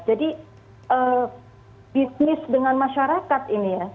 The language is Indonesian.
jadi bisnis dengan masyarakat ini